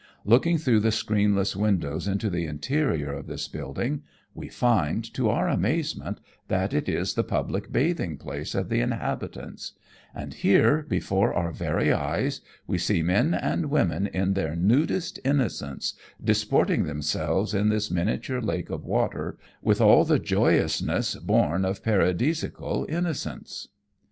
Look ing through the screenless windows into the interior of this building we find, to our amazement, that it is the public bathing place of the inhabitants ; and here, before our very eyes, we see men and women in their nudest ' innocence, disporting themselves in this miniature lake of water, with all the joyousness borne of paradisiacal innocence